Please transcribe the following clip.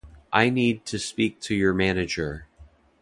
I need to speak to your manager.